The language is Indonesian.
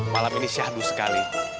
malam ini syahdu sekali